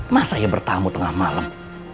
masa yang bertamu tengah malam